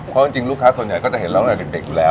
เพราะจริงลูกค้าส่วนใหญ่ก็จะเห็นเราตั้งแต่เด็กอยู่แล้ว